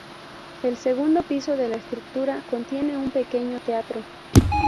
El segundo piso de la estructura contiene un pequeño teatro.